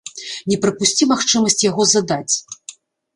Не прапусці магчымасць яго задаць!